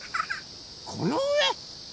このうえ？